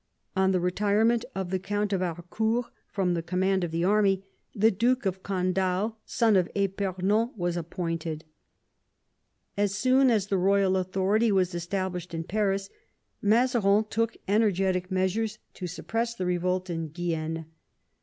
On the retirement of the Count of Harcourt from the command of the army, the Duke of Candale, son of Epernon, was appointed. As soon as the royal authority was established in Paris, Mazarin took energetic measures to suppress the revolt in Guienne.